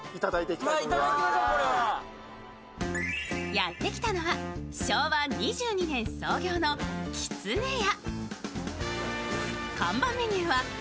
やってきたのは昭和２２年創業のきつねや。